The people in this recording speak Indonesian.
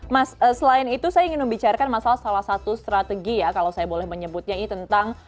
mas selain itu saya ingin membicarakan masalah salah satu strategi ya kalau saya boleh menyebutnya ini tentang